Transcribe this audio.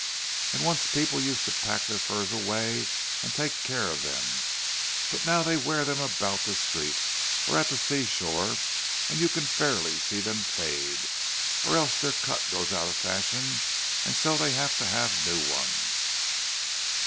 And once people used to pack their furs away and take care of them; but now they wear them about the street, or at the sea shore, and you can fairly see them fade. Or else their cut goes out of fashion, and so they have to have new ones!"